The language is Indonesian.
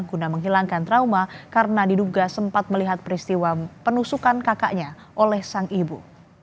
guna menghilangkan trauma karena diduga sempat melihat peristiwa penusukan kakaknya oleh sang ibu